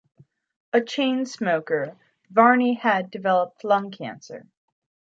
A chain smoker, Varney had developed lung cancer.